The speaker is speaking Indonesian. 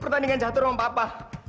tandingan jatuh gak apa apa